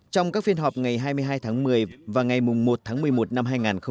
trong các phiên họp ngày hai mươi hai tháng một mươi và ngày một tháng một mươi một năm hai nghìn hai mươi